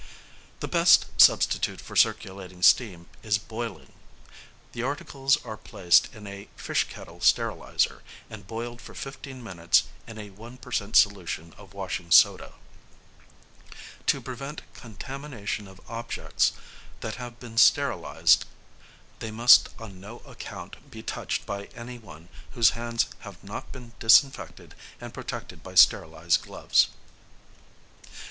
The best substitute for circulating steam is boiling. The articles are placed in a "fish kettle steriliser" and boiled for fifteen minutes in a 1 per cent. solution of washing soda. To prevent contamination of objects that have been sterilised they must on no account be touched by any one whose hands have not been disinfected and protected by sterilised gloves.